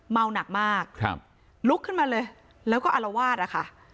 เมาหนักมากครับลุกขึ้นมาเลยแล้วก็อารวาสอะค่ะ